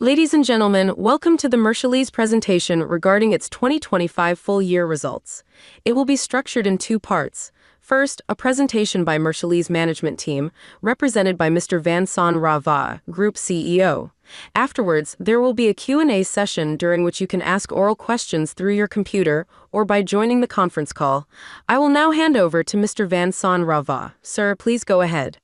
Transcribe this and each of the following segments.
Ladies and gentlemen, welcome to the Mercialys presentation regarding its 2025 full year results. It will be structured in two parts. First, a presentation by Mercialys' management team, represented by Mr. Vincent Ravat, Group CEO. Afterwards, there will be a Q&A session during which you can ask oral questions through your computer or by joining the conference call. I will now hand over to Mr. Vincent Ravat. Sir, please go ahead.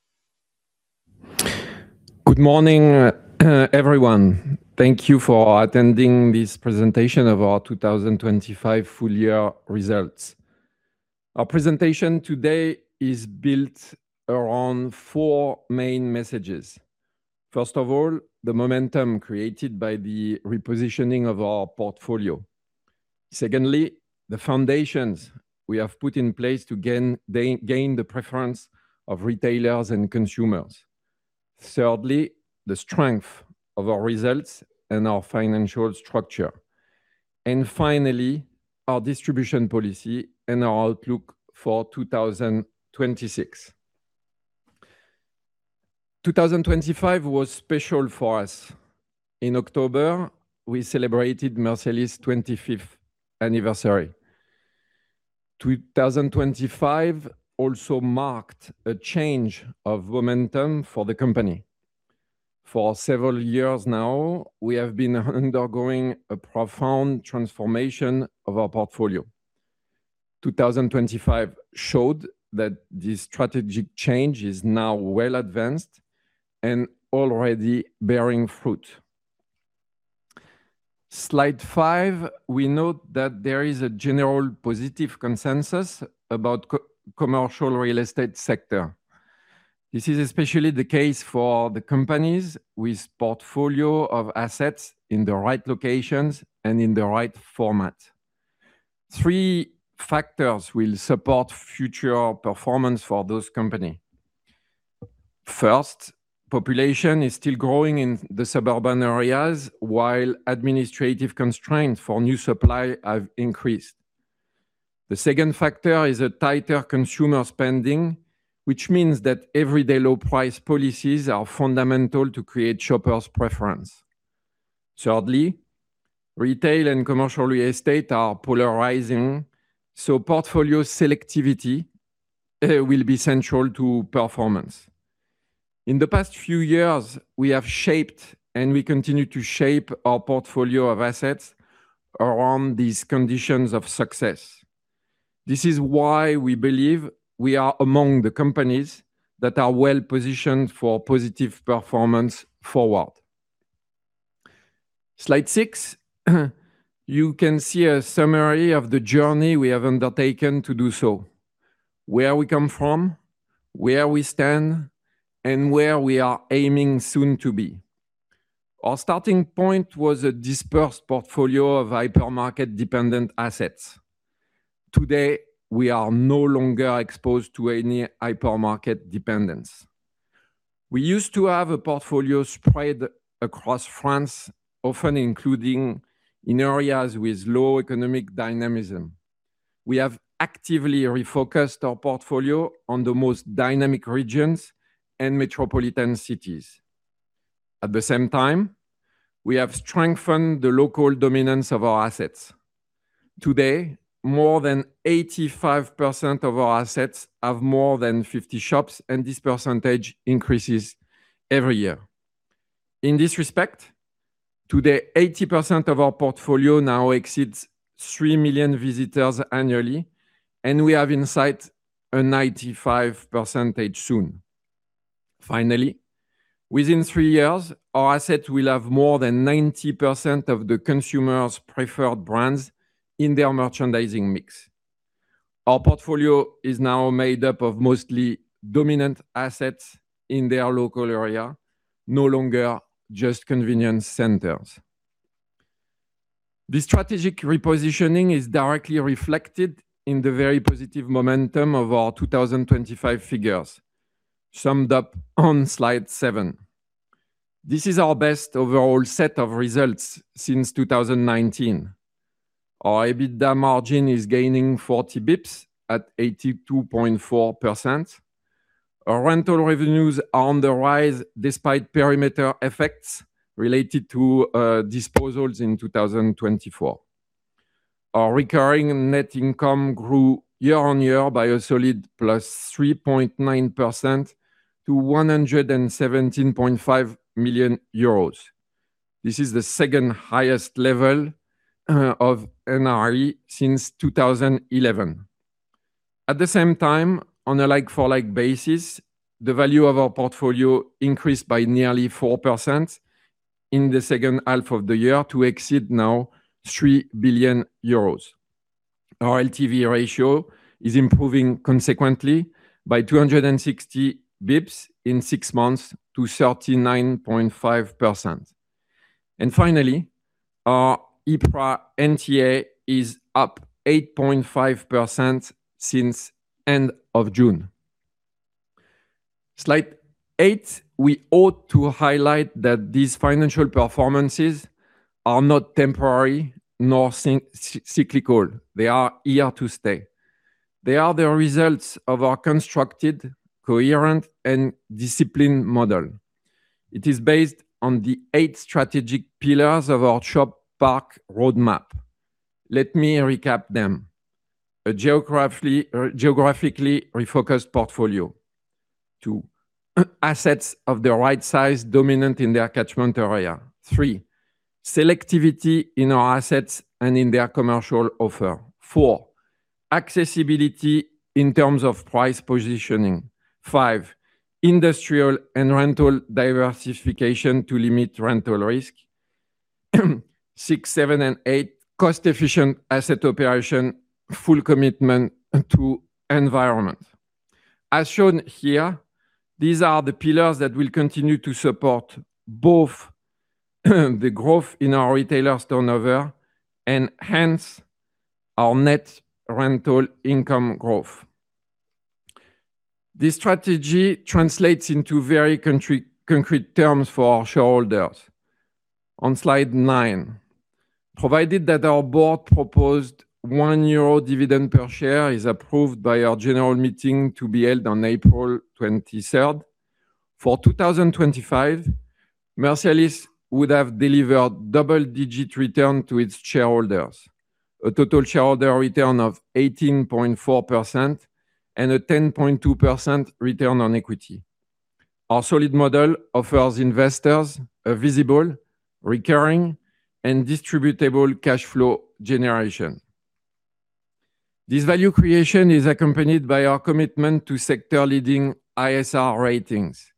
Good morning, everyone. Thank you for attending this presentation of our 2025 full year results. Our presentation today is built around four main messages. First of all, the momentum created by the repositioning of our portfolio. Secondly, the foundations we have put in place to gain the preference of retailers and consumers. Thirdly, the strength of our results and our financial structure. And finally, our distribution policy and our outlook for 2026. 2025 was special for us. In October, we celebrated Mercialys' 25th anniversary. 2025 also marked a change of momentum for the company. For several years now, we have been undergoing a profound transformation of our portfolio. 2025 showed that this strategic change is now well advanced and already bearing fruit. Slide five, we note that there is a general positive consensus about the commercial real estate sector. This is especially the case for the companies with portfolio of assets in the right locations and in the right format. Three factors will support future performance for those companies. First, population is still growing in the suburban areas, while administrative constraints for new supply have increased. The second factor is a tighter consumer spending, which means that everyday low price policies are fundamental to create shoppers' preference. Thirdly, retail and commercial real estate are polarizing, so portfolio selectivity will be central to performance. In the past few years, we have shaped, and we continue to shape our portfolio of assets around these conditions of success. This is why we believe we are among the companies that are well positioned for positive performance forward. Slide six. You can see a summary of the journey we have undertaken to do so, where we come from, where we stand, and where we are aiming soon to be. Our starting point was a dispersed portfolio of hypermarket-dependent assets. Today, we are no longer exposed to any hypermarket dependence. We used to have a portfolio spread across France, often including in areas with low economic dynamism. We have actively refocused our portfolio on the most dynamic regions and metropolitan cities. At the same time, we have strengthened the local dominance of our assets. Today, more than 85% of our assets have more than 50 shops, and this percentage increases every year. In this respect, today, 80% of our portfolio now exceeds 3 million visitors annually, and we have in sight a 95% soon. Finally, within 3 years, our assets will have more than 90% of the consumers' preferred brands in their merchandising mix. Our portfolio is now made up of mostly dominant assets in their local area, no longer just convenience centers. This strategic repositioning is directly reflected in the very positive momentum of our 2025 figures, summed up on slide 7. This is our best overall set of results since 2019. Our EBITDA margin is gaining 40 basis points at 82.4%. Our rental revenues are on the rise despite perimeter effects related to disposals in 2024. Our recurring net income grew year-on-year by a solid +3.9% to 117.5 million euros. This is the second-highest level of NRE since 2011. At the same time, on a like-for-like basis, the value of our portfolio increased by nearly 4% in the second half of the year to exceed now 3 billion euros. Our LTV ratio is improving consequently by 260 basis points in six months to 39.5%. And finally, our EPRA NTA is up 8.5% since end of June. Slide 8, we ought to highlight that these financial performances are not temporary nor cyclical. They are here to stay. They are the results of our constructed, coherent, and disciplined model. It is based on the eight strategic pillars of our Shop Park roadmap. Let me recap them. A geographically refocused portfolio. Two, assets of the right size, dominant in their catchment area. Three, selectivity in our assets and in their commercial offer. Four, accessibility in terms of price positioning. 5, industrial and rental diversification to limit rental risk. 6, 7, and 8, cost-efficient asset operation, full commitment to environment. As shown here, these are the pillars that will continue to support both the growth in our retailers' turnover and hence our net rental income growth. This strategy translates into very concrete, concrete terms for our shareholders. On slide 9, provided that our board proposed 1 euro dividend per share is approved by our general meeting to be held on April 23, 2025, Mercialys would have delivered double-digit return to its shareholders, a total shareholder return of 18.4% and a 10.2% return on equity. Our solid model offers investors a visible, recurring, and distributable cash flow generation. This value creation is accompanied by our commitment to sector-leading ISR ratings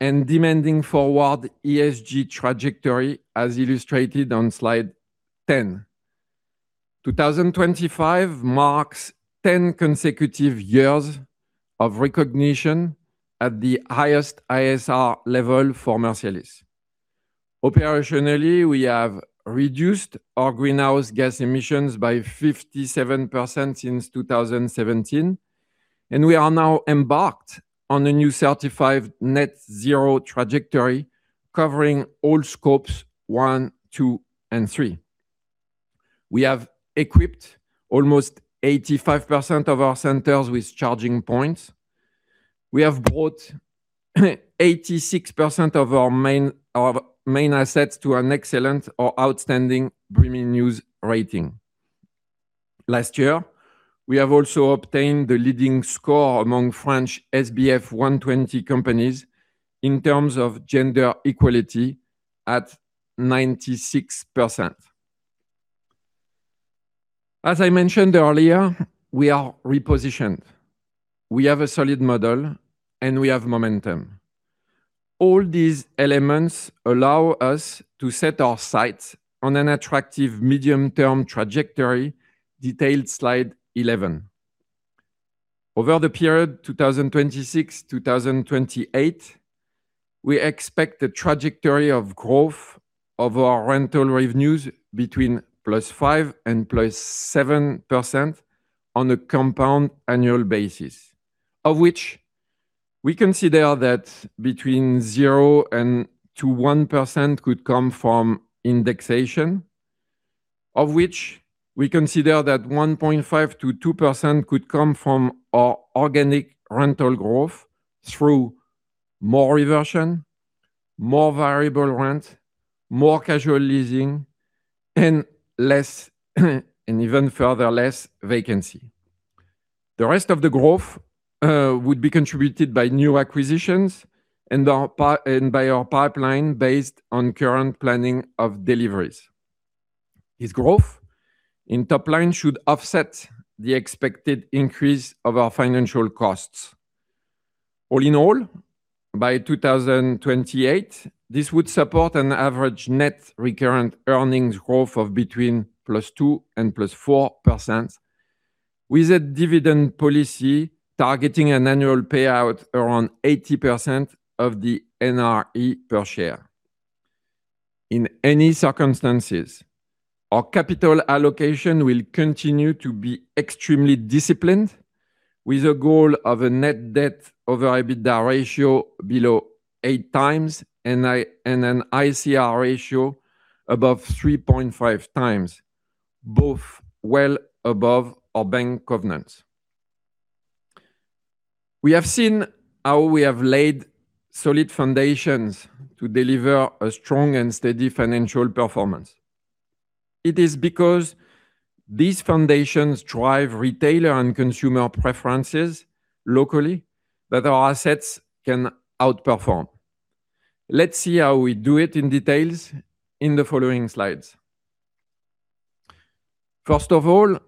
and demanding forward ESG trajectory, as illustrated on slide 10. 2025 marks 10 consecutive years of recognition at the highest ISR level for Mercialys. Operationally, we have reduced our greenhouse gas emissions by 57% since 2017, and we are now embarked on a new certified net zero trajectory covering all scopes one, two, and three. We have equipped almost 85% of our centers with charging points. We have brought 86% of our main assets to an excellent or outstanding BREEAM In-Use rating. Last year, we have also obtained the leading score among French SBF 120 companies in terms of gender equality at 96%. As I mentioned earlier, we are repositioned, we have a solid model, and we have momentum. All these elements allow us to set our sights on an attractive medium-term trajectory, detailed slide 11. Over the period 2026-2028, we expect a trajectory of growth of our rental revenues between +5% and +7% on a compound annual basis, of which we consider that between 0%-1% could come from indexation, of which we consider that 1.5%-2% could come from our organic rental growth through more reversion, more variable rent, more casual leasing, and less, and even further less vacancy. The rest of the growth would be contributed by new acquisitions and by our pipeline based on current planning of deliveries. This growth in top line should offset the expected increase of our financial costs. All in all, by 2028, this would support an average net recurrent earnings growth of between +2% and +4%, with a dividend policy targeting an annual payout around 80% of the NRE per share. In any circumstances, our capital allocation will continue to be extremely disciplined, with a goal of a net debt over EBITDA ratio below 8x and an ICR ratio above 3.5x, both well above our bank covenants. We have seen how we have laid solid foundations to deliver a strong and steady financial performance. It is because these foundations drive retailer and consumer preferences locally, that our assets can outperform. Let's see how we do it in detail in the following slides. First of all,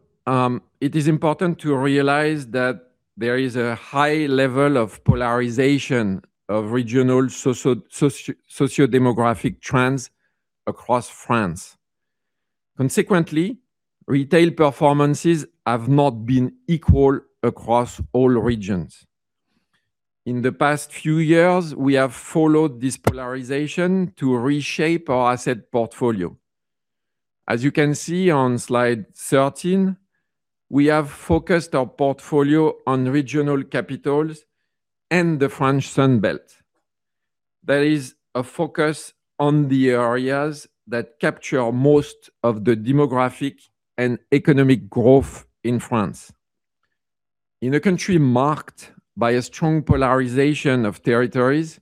it is important to realize that there is a high level of polarization of regional socio-demographic trends across France. Consequently, retail performances have not been equal across all regions. In the past few years, we have followed this polarization to reshape our asset portfolio. As you can see on slide 13, we have focused our portfolio on regional capitals and the French Sun Belt. There is a focus on the areas that capture most of the demographic and economic growth in France. In a country marked by a strong polarization of territories,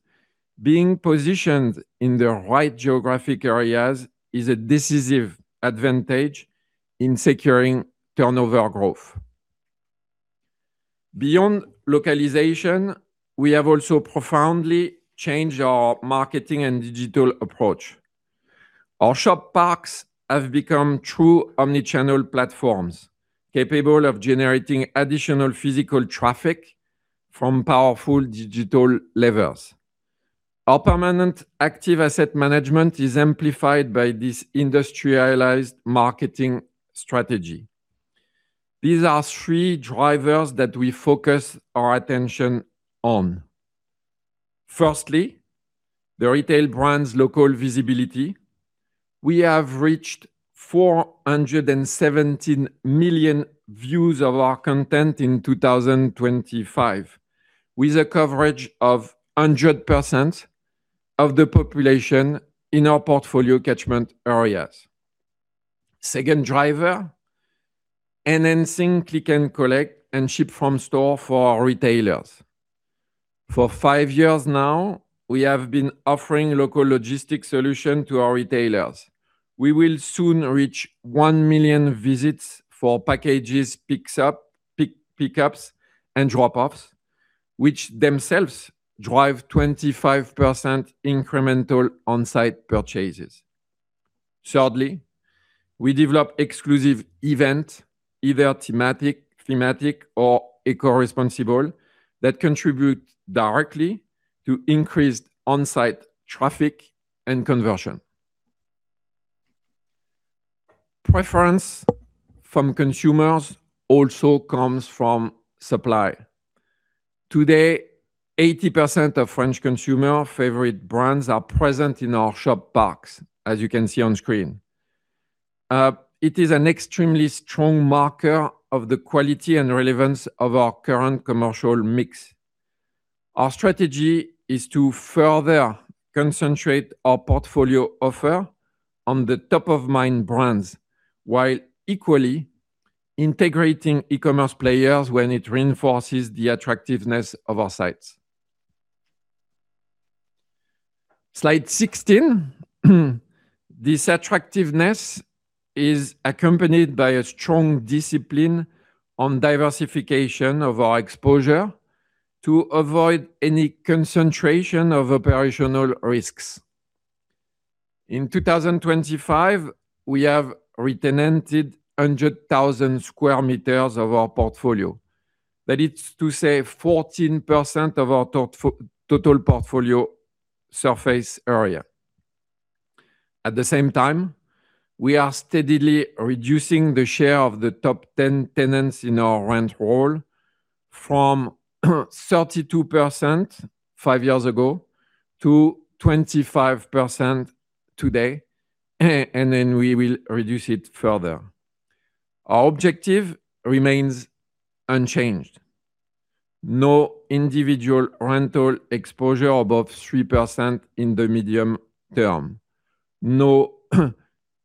being positioned in the right geographic areas is a decisive advantage in securing turnover growth. Beyond localization, we have also profoundly changed our marketing and digital approach. Our shop parks have become true omni-channel platforms, capable of generating additional physical traffic from powerful digital levers. Our permanent active asset management is amplified by this industrialized marketing strategy. These are three drivers that we focus our attention on. Firstly, the retail brand's local visibility. We have reached 417 million views of our content in 2025, with a coverage of 100% of the population in our portfolio catchment areas. Second driver, enhancing click and collect and ship from store for our retailers. For 5 years now, we have been offering local logistic solution to our retailers. We will soon reach 1 million visits for package pickups and drop-offs, which themselves drive 25% incremental on-site purchases. Thirdly, we develop exclusive event, either thematic or eco-responsible, that contribute directly to increased on-site traffic and conversion. Preference from consumers also comes from supply. Today, 80% of French consumer favorite brands are present in our shop parks, as you can see on screen. It is an extremely strong marker of the quality and relevance of our current commercial mix. Our strategy is to further concentrate our portfolio offer on the top-of-mind brands, while equally integrating e-commerce players when it reinforces the attractiveness of our sites. Slide 16. This attractiveness is accompanied by a strong discipline on diversification of our exposure to avoid any concentration of operational risks. In 2025, we have re-tenanted 100,000 square meters of our portfolio. That is to say, 14% of our total portfolio surface area. At the same time, we are steadily reducing the share of the top ten tenants in our rent roll from 32% five years ago to 25% today, and then we will reduce it further. Our objective remains unchanged: no individual rental exposure above 3% in the medium term. No,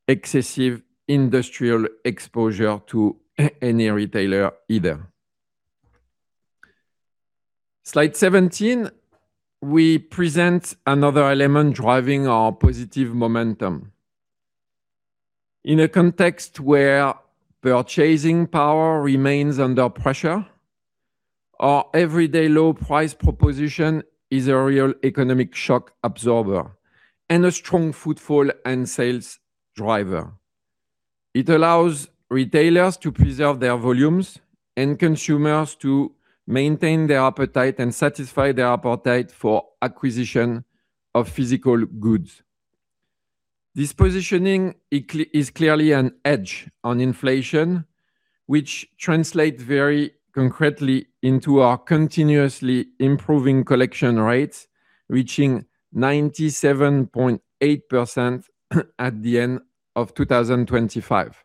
excessive industrial exposure to any retailer either. Slide 17, we present another element driving our positive momentum. In a context where purchasing power remains under pressure, our everyday low price proposition is a real economic shock absorber and a strong footfall and sales driver. It allows retailers to preserve their volumes and consumers to maintain their appetite and satisfy their appetite for acquisition of physical goods. This positioning is clearly an edge on inflation, which translates very concretely into our continuously improving collection rates, reaching 97.8% at the end of 2025.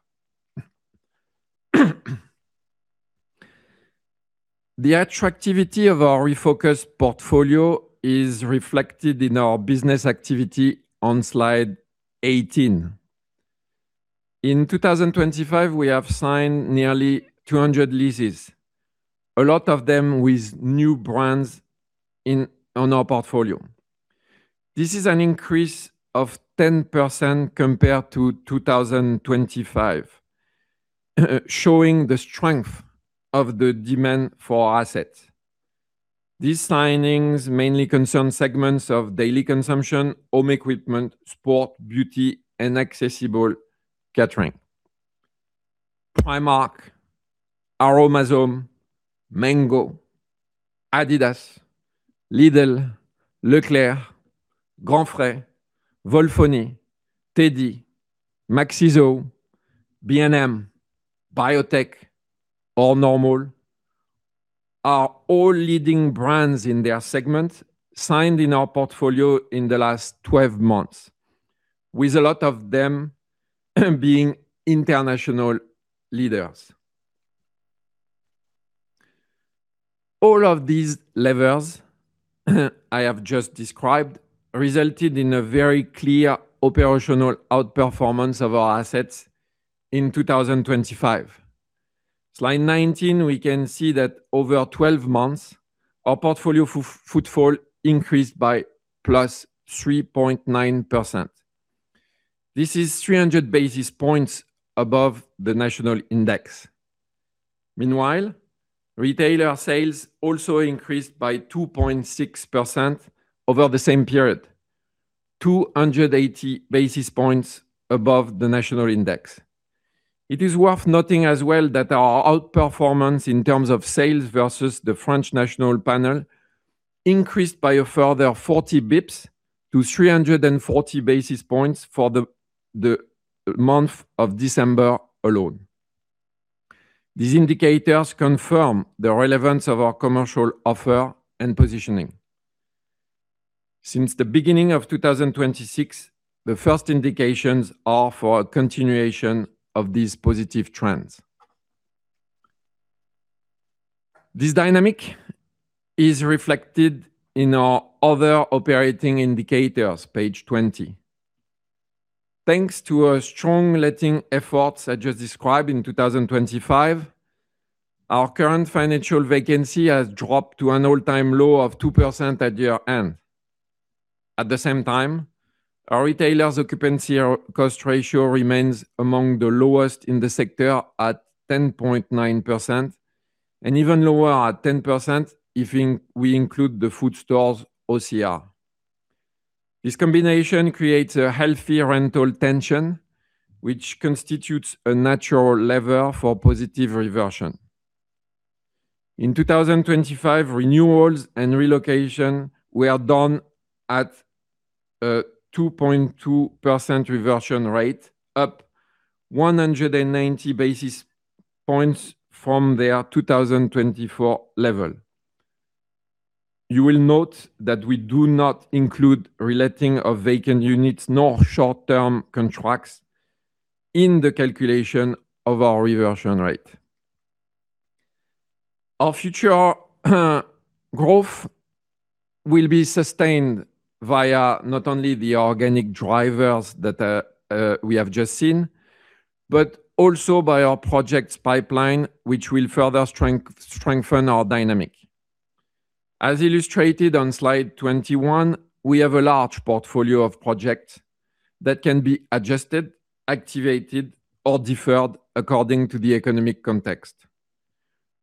The attractivity of our refocused portfolio is reflected in our business activity on slide 18. In 2025, we have signed nearly 200 leases, a lot of them with new brands in, on our portfolio. This is an increase of 10% compared to 2025, showing the strength of the demand for our assets. These signings mainly concern segments of daily consumption, home equipment, sport, beauty, and accessible catering. Primark, Aroma-Zone, Mango, Adidas, Lidl, Leclerc, Grand Frais, Volfoni, TEDi, Maxi Zoo, B&M, BioTechUSA, Normal are all leading brands in their segment, signed in our portfolio in the last 12 months, with a lot of them being international leaders. All of these levers I have just described resulted in a very clear operational outperformance of our assets in 2025. Slide 19, we can see that over 12 months, our portfolio footfall increased by +3.9%. This is 300 basis points above the national index. Meanwhile, retailer sales also increased by 2.6% over the same period, 280 basis points above the national index. It is worth noting as well that our outperformance in terms of sales versus the French national panel, increased by a further 40 basis points to 340 basis points for the month of December alone. These indicators confirm the relevance of our commercial offer and positioning. Since the beginning of 2026, the first indications are for a continuation of these positive trends. This dynamic is reflected in our other operating indicators. Page 20. Thanks to our strong letting efforts I just described in 2025, our current financial vacancy has dropped to an all-time low of 2% at year-end. At the same time, our retailers occupancy or cost ratio remains among the lowest in the sector at 10.9%, and even lower at 10% if we include the food stores OCR. This combination creates a healthy rental tension, which constitutes a natural lever for positive reversion. In 2025, renewals and relocation were done at 2.2% reversion rate, up 190 basis points from their 2024 level. You will note that we do not include reletting of vacant units, nor short-term contracts in the calculation of our reversion rate. Our future growth will be sustained via not only the organic drivers that we have just seen, but also by our projects pipeline, which will further strengthen our dynamic. As illustrated on slide 21, we have a large portfolio of projects that can be adjusted, activated, or deferred according to the economic context.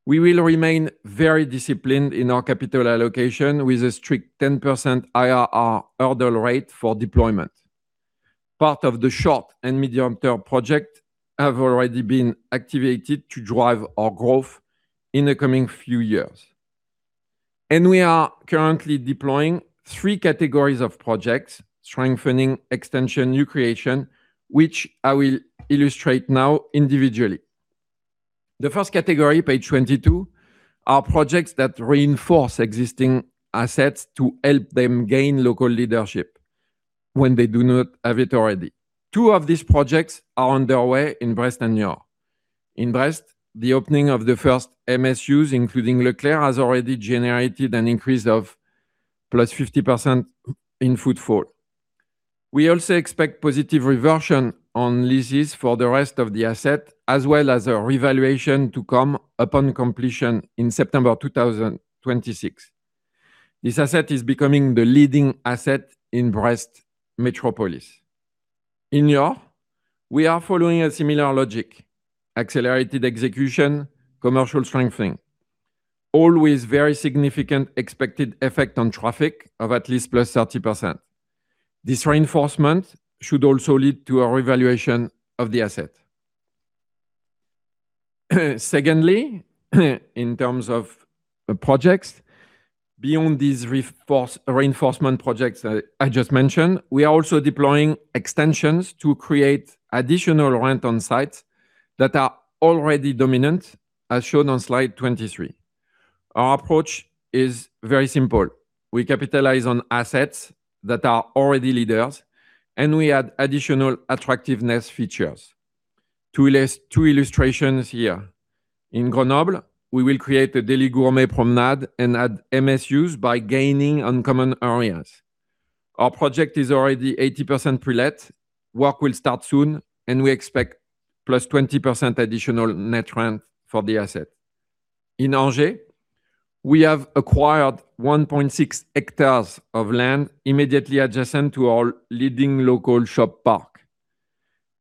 We will remain very disciplined in our capital allocation, with a strict 10% IRR hurdle rate for deployment. Part of the short and medium-term projects have already been activated to drive our growth in the coming few years. We are currently deploying three categories of projects: strengthening, extension, new creation, which I will illustrate now individually. The first category, page 22, are projects that reinforce existing assets to help them gain local leadership when they do not have it already. Two of these projects are underway in Brest and Niort. In Brest, the opening of the first MSUs, including Leclerc, has already generated an increase of +50% in footfall. We also expect positive reversion on leases for the rest of the asset, as well as a revaluation to come upon completion in September 2026. This asset is becoming the leading asset in Brest metropolis. In Niort, we are following a similar logic: accelerated execution, commercial strengthening, always very significant expected effect on traffic of at least +30%. This reinforcement should also lead to a revaluation of the asset. Secondly, in terms of projects, beyond these reinforcement projects that I just mentioned, we are also deploying extensions to create additional rent on sites that are already dominant, as shown on slide 23. Our approach is very simple. We capitalize on assets that are already leaders, and we add additional attractiveness features. Two illustrations here. In Grenoble, we will create a daily gourmet promenade and add MSUs by gaining uncommon areas. Our project is already 80% pre-let. Work will start soon, and we expect +20% additional net rent for the asset. In Angers, we have acquired 1.6 hectares of land immediately adjacent to our leading local Shop Park.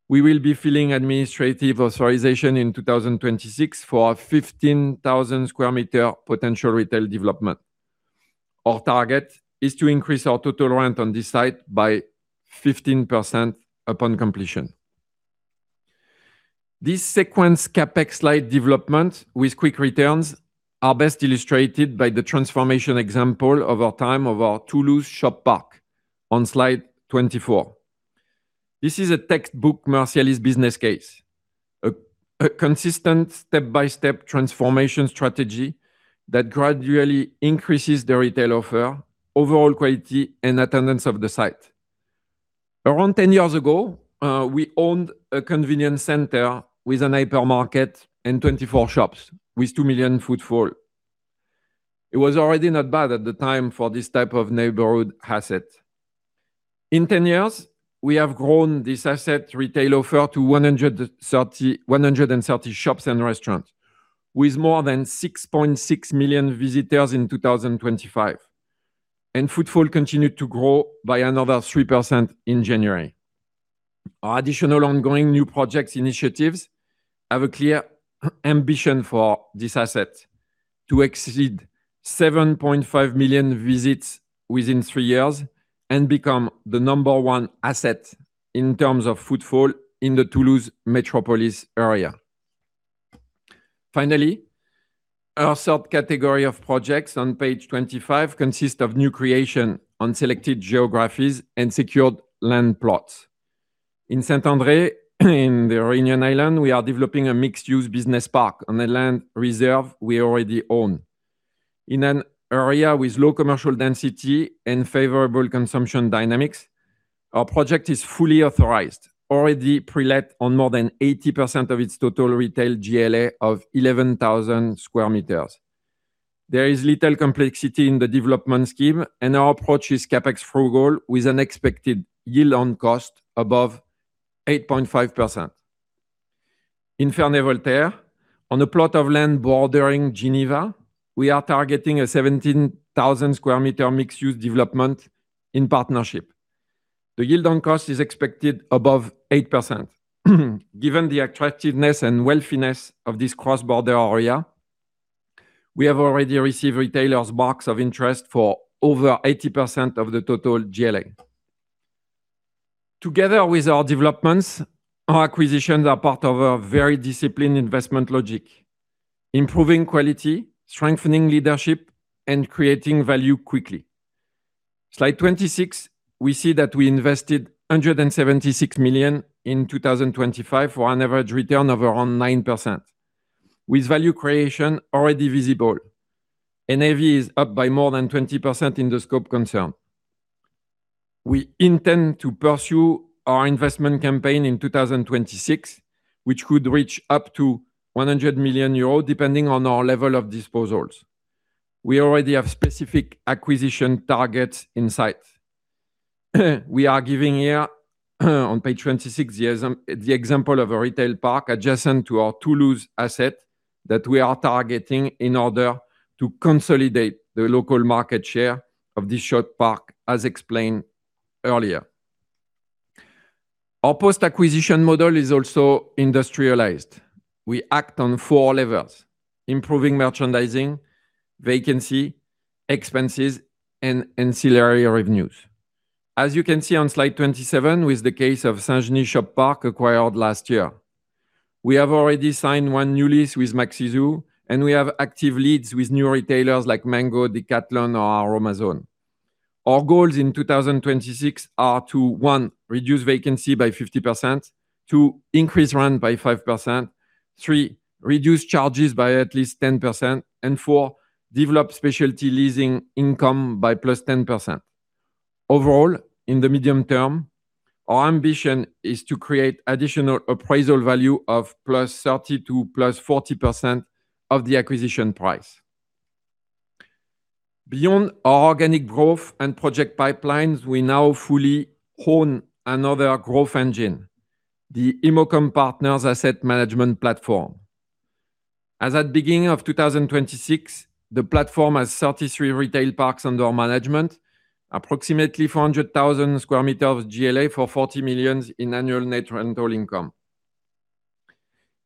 We will be filing administrative authorization in 2026 for a 15,000 square meter potential retail development. Our target is to increase our total rent on this site by 15% upon completion. This sequence CapEx-light development with quick returns are best illustrated by the transformation example over time of our Toulouse Shop Park on slide 24. This is a textbook Mercialys business case, a consistent step-by-step transformation strategy that gradually increases the retail offer, overall quality, and attendance of the site. Around 10 years ago, we owned a convenience center with a hypermarket and 24 shops with 2 million footfall. It was already not bad at the time for this type of neighborhood asset. In 10 years, we have grown this asset retail offer to 130, 130 shops and restaurants, with more than 6.6 million visitors in 2025, and footfall continued to grow by another 3% in January. Our additional ongoing new projects initiatives have a clear ambition for this asset: to exceed 7.5 million visits within 3 years and become the number one asset in terms of footfall in the Toulouse metropolis area. Finally, our third category of projects on page 25 consist of new creation on selected geographies and secured land plots. In Saint-André, in the Réunion Island, we are developing a mixed-use business park on a land reserve we already own. In an area with low commercial density and favorable consumption dynamics, our project is fully authorized, already pre-let on more than 80% of its total retail GLA of 11,000 square meters. There is little complexity in the development scheme, and our approach is CapEx frugal, with an expected yield on cost above 8.5%. In Ferney-Voltaire, on a plot of land bordering Geneva, we are targeting a 17,000 square meter mixed-use development in partnership. The yield on cost is expected above 8%. Given the attractiveness and wealthiness of this cross-border area, we have already received retailers' box of interest for over 80% of the total GLA. Together with our developments, our acquisitions are part of a very disciplined investment logic, improving quality, strengthening leadership, and creating value quickly. Slide 26, we see that we invested 176 million in 2025 for an average return of around 9%, with value creation already visible. NAV is up by more than 20% in the scope concern. We intend to pursue our investment campaign in 2026, which could reach up to 100 million euros, depending on our level of disposals. We already have specific acquisition targets in sight. We are giving here, on page 26, the example of a retail park adjacent to our Toulouse asset that we are targeting in order to consolidate the local market share of this Shop Park, as explained earlier. Our post-acquisition model is also industrialized. We act on four levels: improving merchandising, vacancy, expenses, and ancillary revenues. As you can see on slide 27, with the case of Saint-Genis Shop Park, acquired last year. We have already signed one new lease with Maxi Zoo, and we have active leads with new retailers like Mango, Decathlon, or Aroma-Zone. Our goals in 2026 are to, 1, reduce vacancy by 50%; 2, increase rent by 5%; 3, reduce charges by at least 10%; and 4, develop specialty leasing income by +10%. Overall, in the medium term, our ambition is to create additional appraisal value of +30% to +40% of the acquisition price. Beyond our organic growth and project pipelines, we now fully own another growth engine, the ImmoCom Partners Asset Management platform. As at beginning of 2026, the platform has 33 retail parks under management, approximately 400,000 square meters of GLA for 40 million in annual net rental income.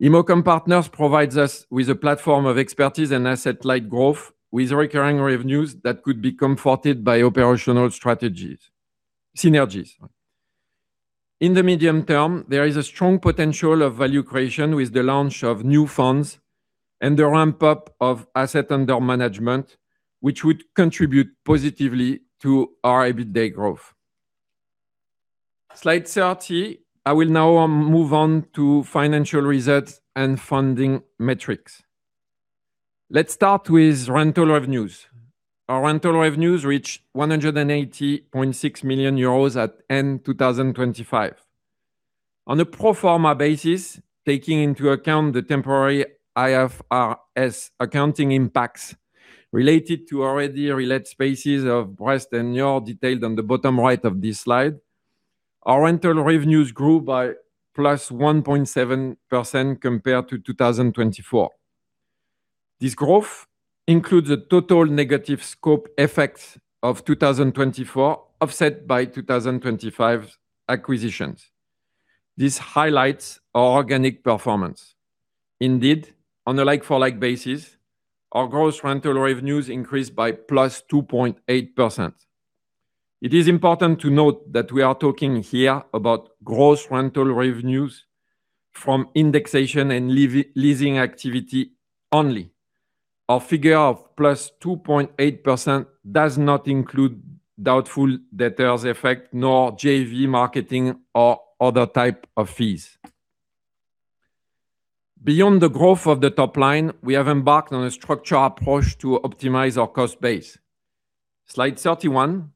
ImocomPartners provides us with a platform of expertise and asset-light growth, with recurring revenues that could be comforted by operational strategies, synergies. In the medium term, there is a strong potential of value creation with the launch of new funds and the ramp-up of asset under management, which would contribute positively to our EBITDA growth. Slide 30. I will now move on to financial results and funding metrics. Let's start with rental revenues. Our rental revenues reached 180.6 million euros at end 2025. On a pro forma basis, taking into account the temporary IFRS accounting impacts related to already relet spaces of West and North, detailed on the bottom right of this slide, our rental revenues grew by +1.7% compared to 2024. This growth includes a total negative scope effect of 2,024, offset by 2,025 acquisitions. This highlights our organic performance. Indeed, on a like-for-like basis, our gross rental revenues increased by +2.8%. It is important to note that we are talking here about gross rental revenues from indexation and leasing activity only. Our figure of +2.8% does not include doubtful debtors effect, nor JV marketing or other type of fees.... Beyond the growth of the top line, we have embarked on a structured approach to optimize our cost base. Slide 31.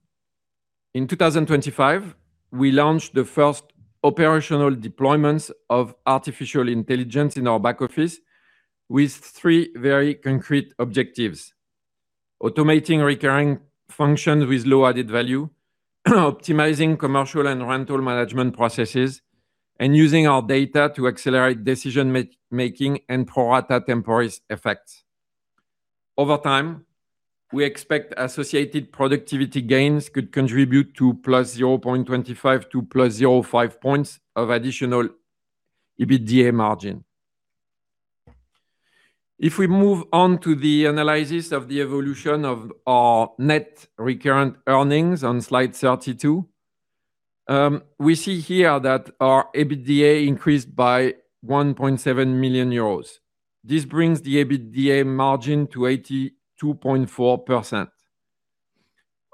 In 2025, we launched the first operational deployments of artificial intelligence in our back office with three very concrete objectives: automating recurring functions with low added value, optimizing commercial and rental management processes, and using our data to accelerate decision-making and pro rata temporis effects. Over time, we expect associated productivity gains could contribute to +0.25 to +0.5 points of additional EBITDA margin. If we move on to the analysis of the evolution of our Net Recurrent Earnings on slide 32, we see here that our EBITDA increased by 1.7 million euros. This brings the EBITDA margin to 82.4%.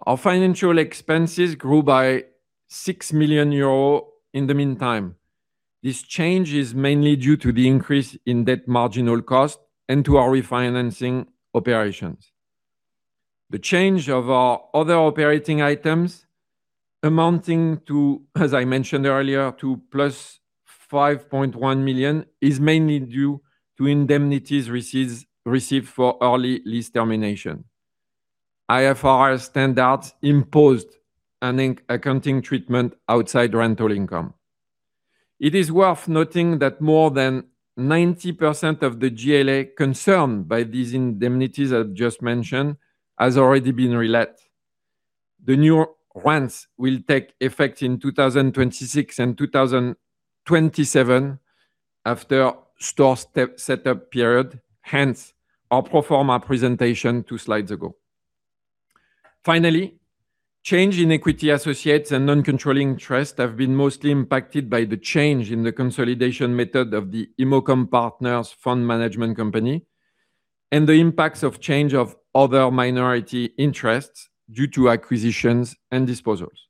Our financial expenses grew by 6 million euros in the meantime. This change is mainly due to the increase in debt marginal cost and to our refinancing operations. The change of our other operating items amounting to, as I mentioned earlier, to 5.1 million, is mainly due to indemnities received for early lease termination. IFRS standards imposed an accounting treatment outside rental income. It is worth noting that more than 90% of the GLA concerned by these indemnities I've just mentioned, has already been relet. The new rents will take effect in 2026 and 2027 after store setup period, hence our pro forma presentation two slides ago. Finally, change in equity associates and non-controlling interests have been mostly impacted by the change in the consolidation method of the ImocomPartners fund management company, and the impacts of change of other minority interests due to acquisitions and disposals.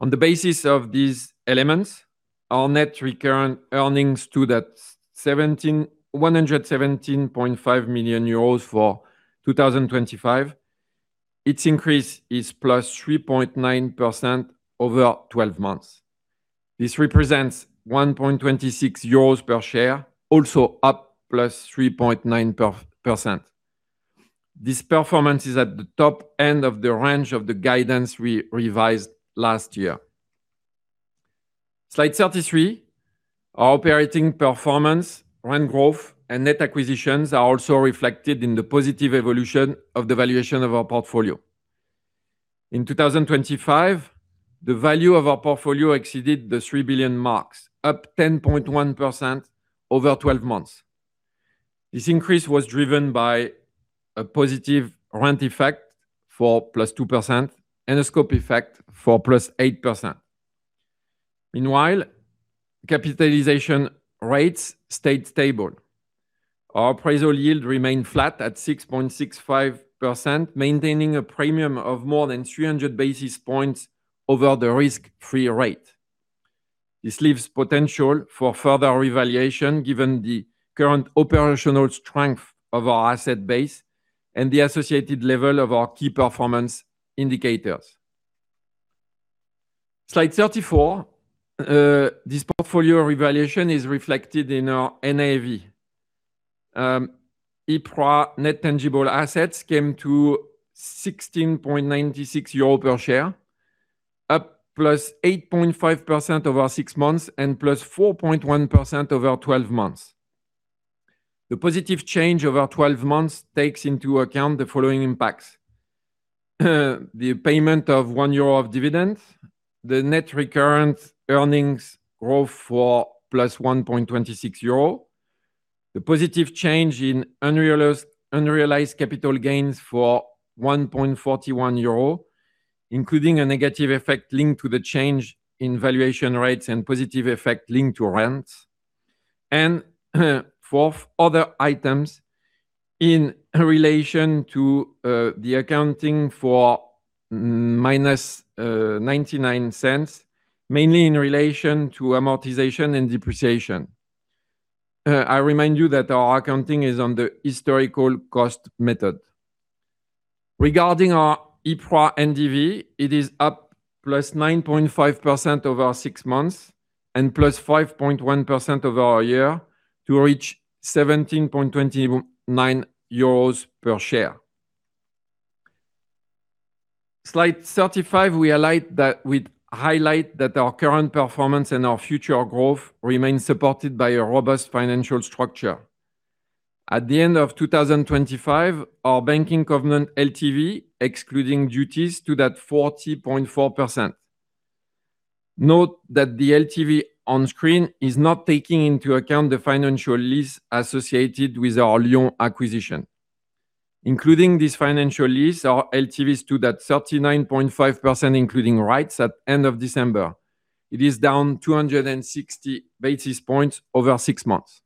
On the basis of these elements, our net recurrent earnings stood at 117.5 million euros for 2025. Its increase is +3.9% over 12 months. This represents 1.26 euros per share, also up +3.9%. This performance is at the top end of the range of the guidance we revised last year. Slide 33. Our operating performance, rent growth, and net acquisitions are also reflected in the positive evolution of the valuation of our portfolio. In 2025, the value of our portfolio exceeded the 3 billion mark, up 10.1% over 12 months. This increase was driven by a positive rent effect for +2% and a scope effect for +8%. Meanwhile, capitalization rates stayed stable. Our appraisal yield remained flat at 6.65%, maintaining a premium of more than 300 basis points over the risk-free rate. This leaves potential for further revaluation, given the current operational strength of our asset base and the associated level of our key performance indicators. Slide 34. This portfolio revaluation is reflected in our NAV. EPRA net tangible assets came to 16.96 euro per share, up +8.5% over six months and +4.1% over twelve months. The positive change over 12 months takes into account the following impacts: the payment of 1 euro of dividends, the net recurrent earnings growth for +1.26 euro, the positive change in unrealized capital gains for 1.41 euro, including a negative effect linked to the change in valuation rates and positive effect linked to rents, and, fourth, other items in relation to the accounting for -0.99, mainly in relation to amortization and depreciation. I remind you that our accounting is on the historical cost method. Regarding our EPRA NDV, it is up +9.5% over six months and +5.1% over our year to reach 17.29 euros per share. Slide 35, we highlight that our current performance and our future growth remain supported by a robust financial structure. At the end of 2025, our banking covenant LTV, excluding duties, stood at 40.4%. Note that the LTV on screen is not taking into account the financial lease associated with our Lyon acquisition. Including this financial lease, our LTV stood at 39.5%, including rights at end of December. It is down 260 basis points over six months.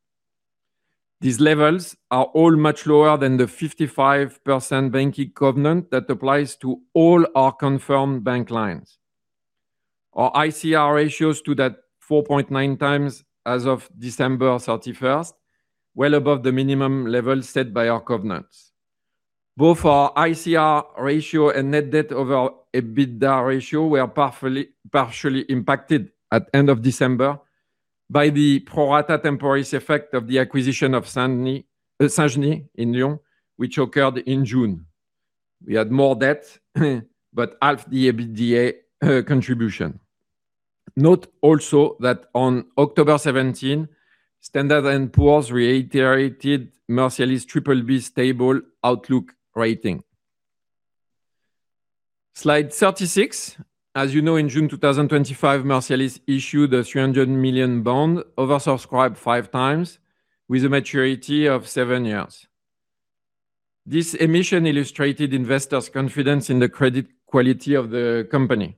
These levels are all much lower than the 55% banking covenant that applies to all our confirmed bank lines. Our ICR ratio stood at 4.9 times as of December thirty-first, well above the minimum level set by our covenants. Both our ICR ratio and net debt over EBITDA ratio were partially impacted at end of December by the pro rata temporis effect of the acquisition of Saint-Genis in Lyon, which occurred in June. We had more debt, but half the EBITDA contribution. Note also that on October 17, Standard & Poor's reiterated Mercialys' triple-B stable outlook rating. Slide 36. As you know, in June 2025, Mercialys issued a 300 million bond, oversubscribed five times, with a maturity of 7 years. This emission illustrated investors' confidence in the credit quality of the company.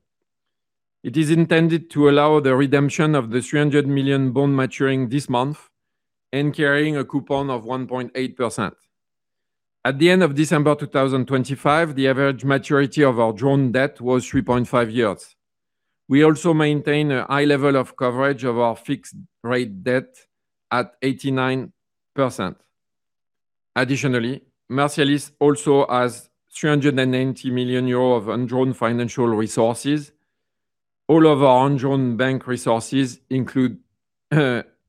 It is intended to allow the redemption of the 300 million bond maturing this month and carrying a coupon of 1.8%. At the end of December 2025, the average maturity of our drawn debt was 3.5 years. We also maintain a high level of coverage of our fixed rate debt at 89%. Additionally, Mercialys also has 390 million euros of undrawn financial resources. All of our undrawn bank resources include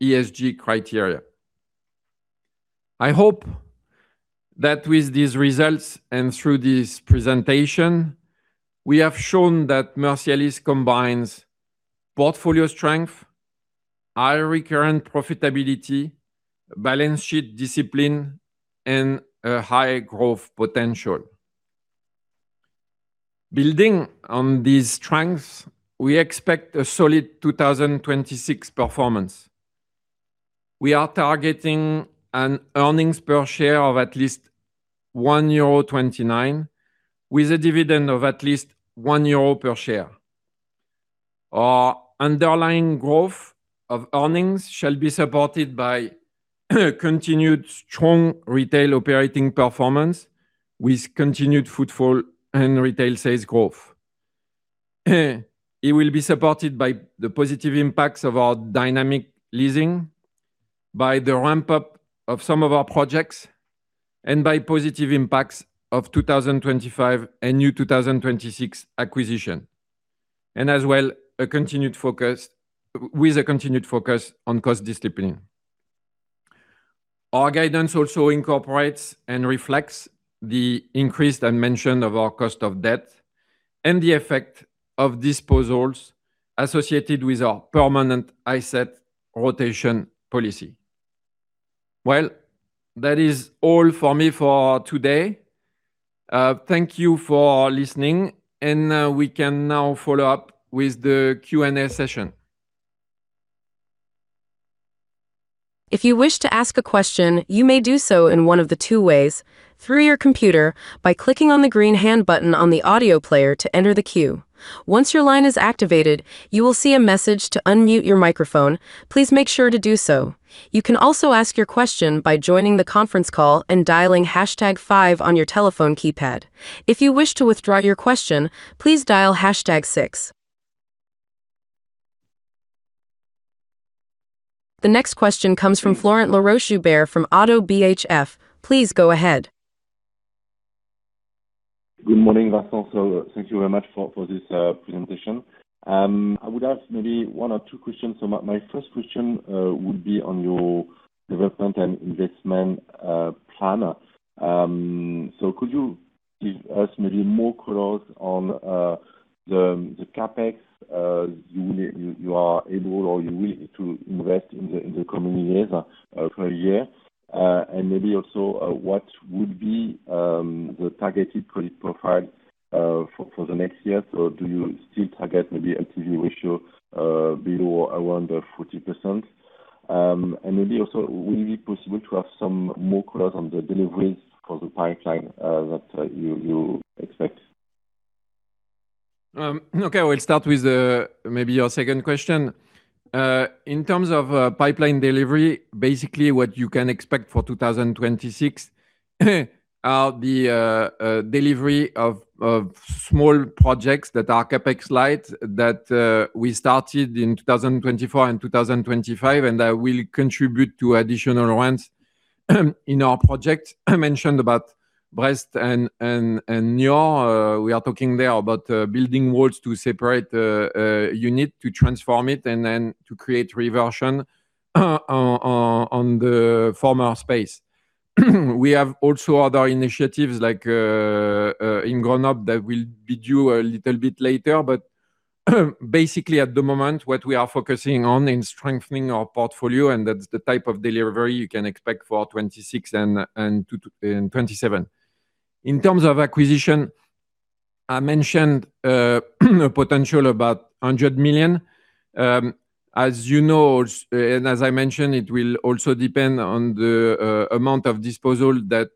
ESG criteria. I hope that with these results and through this presentation, we have shown that Mercialys combines portfolio strength, high recurrent profitability, balance sheet discipline, and a high growth potential. Building on these strengths, we expect a solid 2026 performance. We are targeting an earnings per share of at least 1.29 euro, with a dividend of at least 1 euro per share. Our underlying growth of earnings shall be supported by continued strong retail operating performance, with continued footfall and retail sales growth. It will be supported by the positive impacts of our dynamic leasing, by the ramp-up of some of our projects, and by positive impacts of 2025 and new 2026 acquisition, and as well, a continued focus with a continued focus on cost discipline. Our guidance also incorporates and reflects the increased and mention of our cost of debt and the effect of disposals associated with our permanent asset rotation policy. Well, that is all for me for today. Thank you for listening, and, we can now follow up with the Q&A session. If you wish to ask a question, you may do so in one of the two ways: through your computer by clicking on the green hand button on the audio player to enter the queue. Once your line is activated, you will see a message to unmute your microphone. Please make sure to do so. You can also ask your question by joining the conference call and dialing hashtag five on your telephone keypad. If you wish to withdraw your question, please dial hashtag six. The next question comes from Florent Laroche-Joubert from Oddo BHF. Please go ahead. Good morning, Vincent. So thank you very much for, for this presentation. I would ask maybe one or two questions. So my first question would be on your development and investment plan. So could you give us maybe more colors on the CapEx you are able or you wish to invest in the coming years for a year? And maybe also what would be the targeted credit profile for the next year? So do you still target maybe LTV ratio below around 40%? And maybe also, would it be possible to have some more colors on the deliveries for the pipeline that you expect? Okay, we'll start with maybe your second question. In terms of pipeline delivery, basically what you can expect for 2026, the delivery of small projects that are CapEx light, that we started in 2024 and 2025, and that will contribute to additional rents in our project. I mentioned about Brest and Lyon. We are talking there about building walls to separate the unit, to transform it, and then to create reversion on the former space. We have also other initiatives like in Grenoble, that will be due a little bit later, but basically at the moment, what we are focusing on is strengthening our portfolio, and that's the type of delivery you can expect for 2026 and 2027. In terms of acquisition, I mentioned a potential about 100 million. As you know, and as I mentioned, it will also depend on the amount of disposal that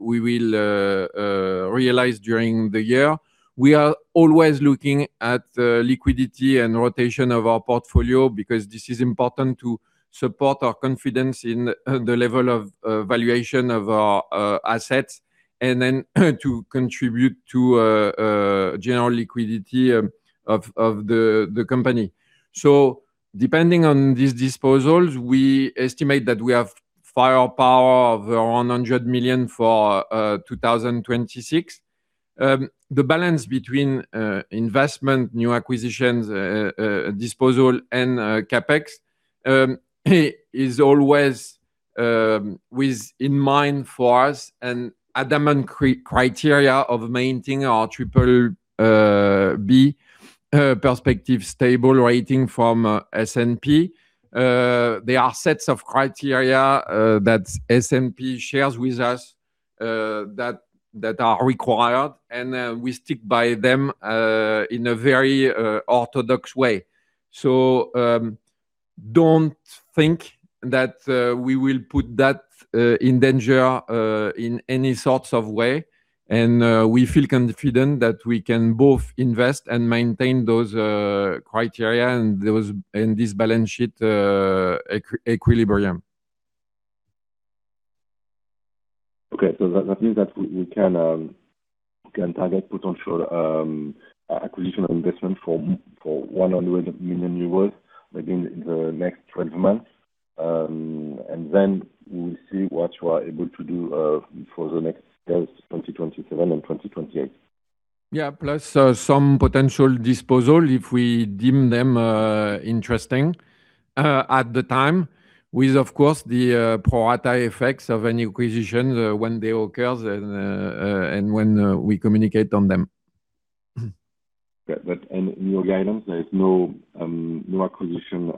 we will realize during the year. We are always looking at the liquidity and rotation of our portfolio because this is important to support our confidence in the level of valuation of our assets, and then to contribute to general liquidity of the company. Depending on these disposals, we estimate that we have firepower of around 100 million for 2026. The balance between investment, new acquisitions, disposal and CapEx is always with in mind for us an adamant criteria of maintaining our triple B perspective stable rating from S&P. There are sets of criteria that S&P shares with us that are required, and we stick by them in a very orthodox way. So, don't think that we will put that in danger in any sorts of way. We feel confident that we can both invest and maintain those criteria and those, and this balance sheet equilibrium. Okay. So that means that we can target potential acquisition or investment for 100 million euros within the next 12 months, and then we'll see what you are able to do for the next years, 2027 and 2028. Yeah. Plus, some potential disposal if we deem them interesting at the time, with, of course, the pro rata effects of any acquisitions when they occurs and when we communicate on them. But in your guidance, there is no new acquisition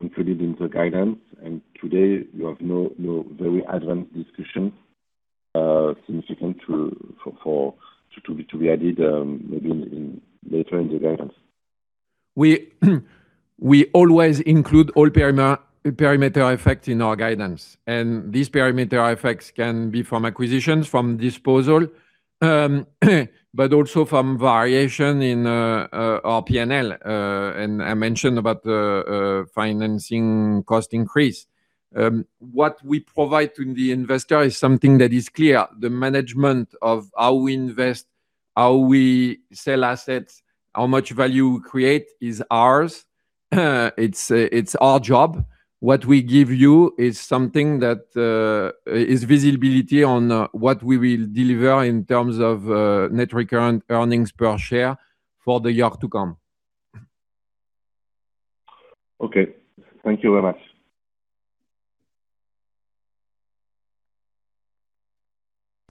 included in the guidance, and today you have no very advanced discussion significant to be added, maybe later in the guidance. We always include all parameter effects in our guidance, and these parameter effects can be from acquisitions, from disposal, but also from variation in our PNL. I mentioned about the financing cost increase. What we provide to the investor is something that is clear, the management of how we invest, how we sell assets, how much value we create is ours. It's our job. What we give you is something that is visibility on what we will deliver in terms of Net Recurrent Earnings per share for the year to come. Okay. Thank you very much.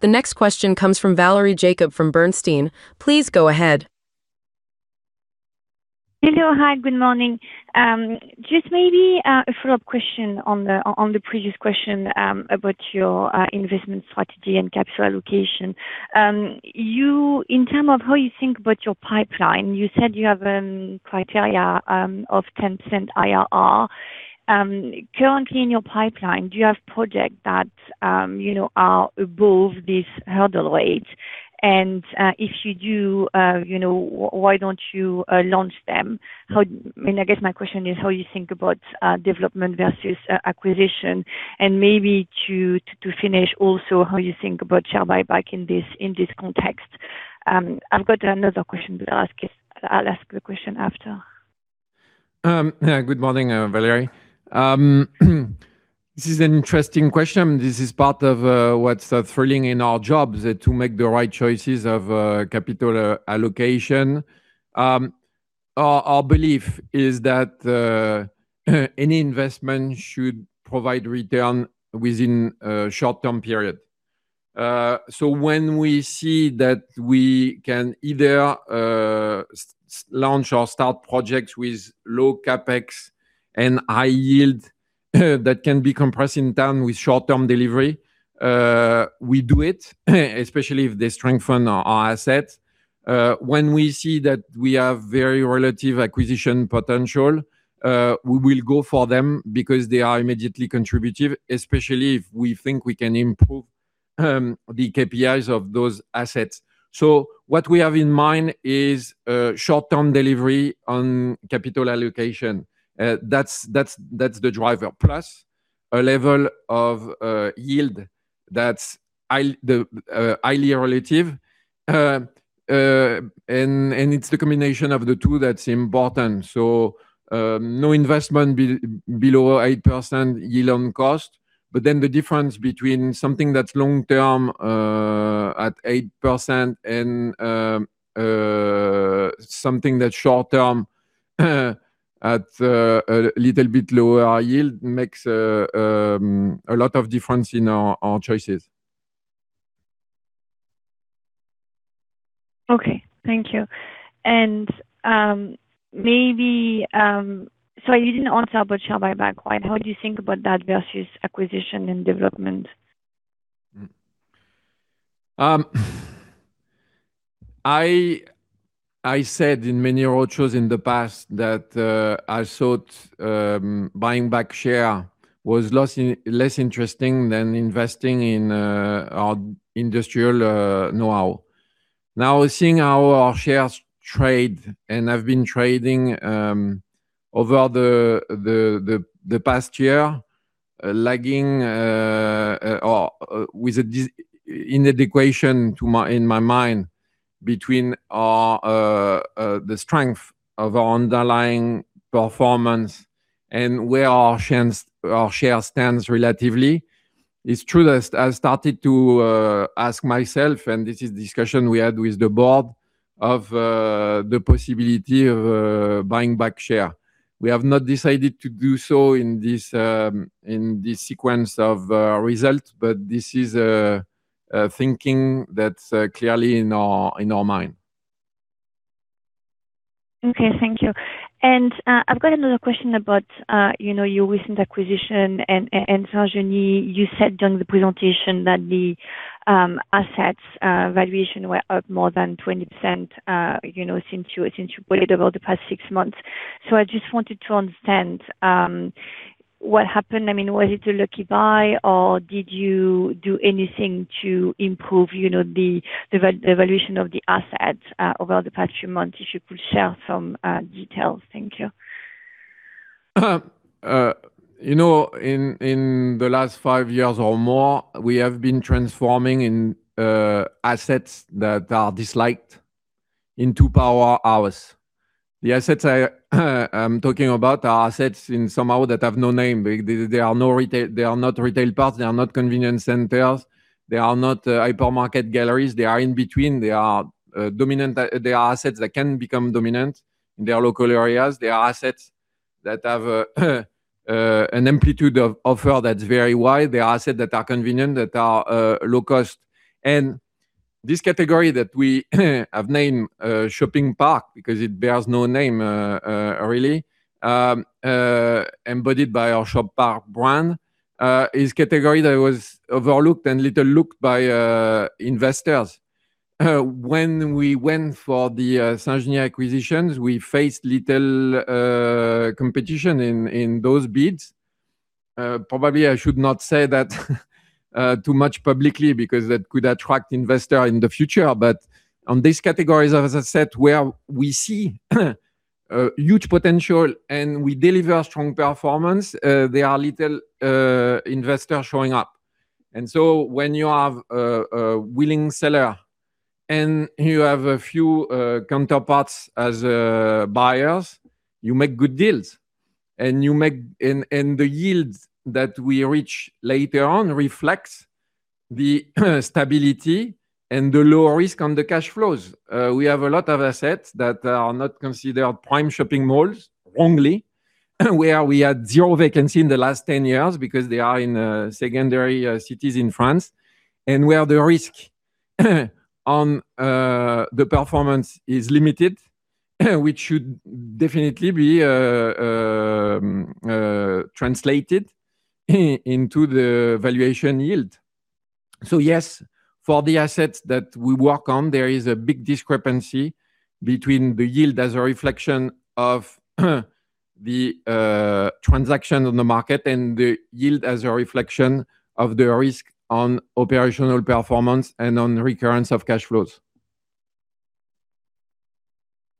The next question comes from Valérie Guezi from [Equity Research Analyst] (Exane BNP Paribas). Please go ahead. Hello. Hi, good morning. Just maybe a follow-up question on the previous question about your investment strategy and capital allocation. You—in terms of how you think about your pipeline, you said you have criteria of 10% IRR. Currently in your pipeline, do you have projects that you know are above this hurdle rate? And if you do, you know, why don't you launch them? I mean, I guess my question is how you think about development versus acquisition, and maybe to finish also how you think about share buyback in this context. I've got another question to ask you. I'll ask the question after. Good morning, Valérie. This is an interesting question. This is part of what's thrilling in our jobs to make the right choices of capital allocation. Our belief is that any investment should provide return within a short-term period. So when we see that we can either launch or start projects with low CapEx and high yield, that can be compressed down with short-term delivery, we do it, especially if they strengthen our assets. When we see that we have very relative acquisition potential, we will go for them because they are immediately contributive, especially if we think we can improve the KPIs of those assets. So what we have in mind is short-term delivery on capital allocation. That's the driver, plus a level of yield that's highly relative. And it's the combination of the two that's important. So, no investment below 8% yield on cost, but then the difference between something that's long-term at 8% and something that's short-term at a little bit lower yield makes a lot of difference in our choices. Okay. Thank you. Maybe... So you didn't answer about share buyback quite. How do you think about that versus acquisition and development? I said in many roadshows in the past that I thought buying back shares was less interesting than investing in our industrial know-how. Now, seeing how our shares trade, and have been trading, over the past year lagging or with a discount inadequate, in my mind, between the strength of our underlying performance and where our shares stand relatively. It's true that I started to ask myself, and this is a discussion we had with the board, of the possibility of buying back shares. We have not decided to do so in this sequence of results, but this is a thinking that's clearly in our mind. Okay, thank you. And, I've got another question about, you know, your recent acquisition and, and Saint-Genis, you said during the presentation that the, assets, valuation were up more than 20%, you know, since you, since you bought it over the past six months. So I just wanted to understand, what happened. I mean, was it a lucky buy, or did you do anything to improve, you know, the, the, the valuation of the assets, over the past few months, if you could share some, details? Thank you. You know, in the last five years or more, we have been transforming assets that are disliked into powerhouses. The assets I'm talking about are assets that somehow have no name. They are not retail parks, they are not convenience centers, they are not hypermarket galleries. They are in between. They are dominant. They are assets that can become dominant in their local areas. They are assets that have an amplitude of offer that's very wide. They are assets that are convenient, that are low cost. And this category that we have named shopping park, because it bears no name, really embodied by our Shop Park brand, is a category that was overlooked and little looked by investors. When we went for the Saint-Genis acquisitions, we faced little competition in those bids. Probably I should not say that too much publicly because that could attract investor in the future. But on these categories, as I said, where we see huge potential and we deliver strong performance, there are little investors showing up. And so when you have a willing seller and you have a few counterparts as buyers, you make good deals, and the yields that we reach later on reflects the stability and the lower risk on the cash flows. We have a lot of assets that are not considered prime shopping malls, wrongly, where we had zero vacancy in the last 10 years because they are in secondary cities in France, and where the risk on the performance is limited, which should definitely be translated into the valuation yield. So yes, for the assets that we work on, there is a big discrepancy between the yield as a reflection of the transaction on the market and the yield as a reflection of the risk on operational performance and on the recurrence of cash flows.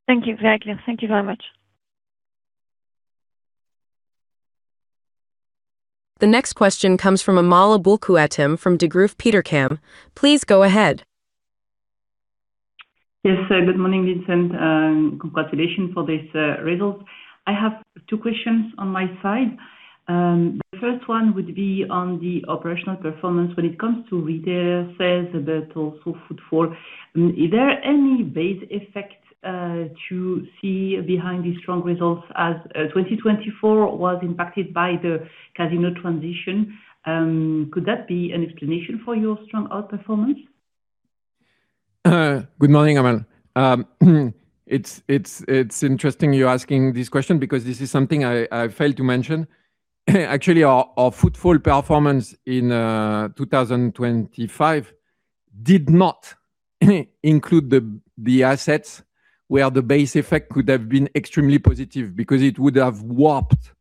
Thank you. Very clear. Thank you very much. The next question comes from Amal Aboulkhouatem from Degroof Petercam. Please go ahead. Yes, sir. Good morning, Vincent, and, congratulations for this result. I have two questions on my side. The first one would be on the operational performance. When it comes to retail sales, but also footfall, is there any base effect to see behind these strong results as 2024 was impacted by the Casino transition? Could that be an explanation for your strong outperformance? Good morning, Amal. It's interesting you asking this question because this is something I failed to mention. Actually, our footfall performance in 2025 did not include the assets where the base effect could have been extremely positive because it would have warped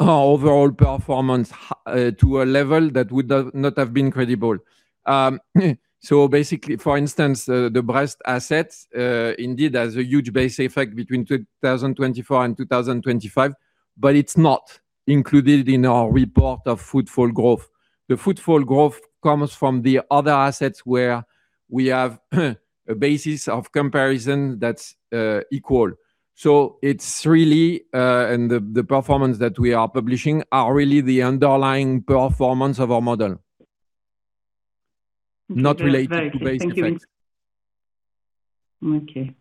our overall performance to a level that would not have been credible. So basically, for instance, the Brest assets indeed has a huge base effect between 2024 and 2025, but it's not included in our report of footfall growth. The footfall growth comes from the other assets where we have a basis of comparison that's equal. So it's really and the performance that we are publishing are really the underlying performance of our model. Thank you. Not related to base effect. Thank you. Okay.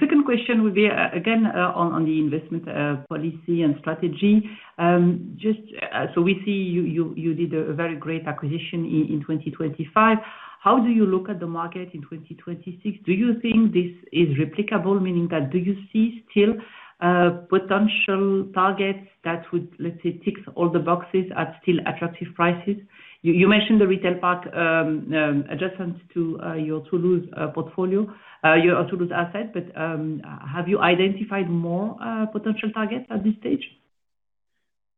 Second question would be, again, on the investment policy and strategy. Just, so we see you did a very great acquisition in 2025. How do you look at the market in 2026? Do you think this is replicable? Meaning that, do you see still potential targets that would, let's say, tick all the boxes at still attractive prices? You mentioned the retail park adjacent to your Toulouse portfolio, your Toulouse asset, but have you identified more potential targets at this stage?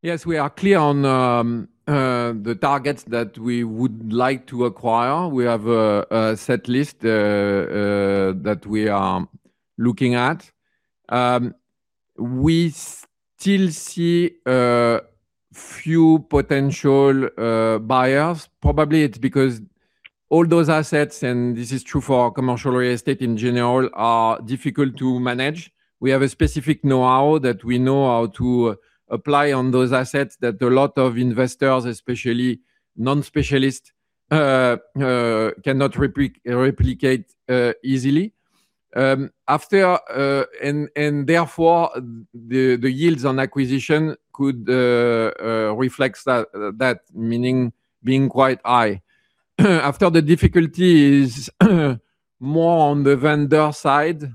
Yes, we are clear on the targets that we would like to acquire. We have a set list that we are looking at. We still see few potential buyers. Probably it's because all those assets, and this is true for commercial real estate in general, are difficult to manage. We have a specific know-how that we know how to apply on those assets that a lot of investors, especially non-specialists, cannot replicate easily. And therefore, the yields on acquisition could reflect that, meaning being quite high. After the difficulty is more on the vendor side,